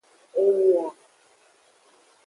Enyi a.